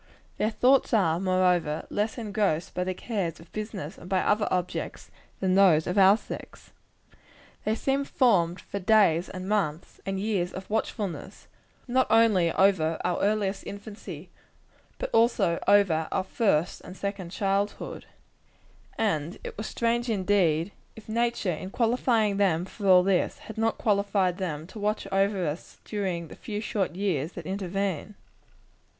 Their thoughts are, moreover, less engrossed by the cares of business, and by other objects, than those of our sex. They seem formed for days, and months, and years of watchfulness not only over our earliest infancy, but also over our first and second childhood. And it were strange indeed, if nature, in qualifying them for all this, had not qualified them to watch over us during the few short years that intervene.